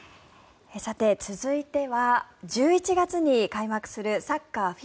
続いては１１月に開幕するサッカーＦＩＦＡ